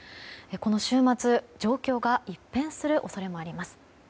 この週末、状況が一変する恐れもあります。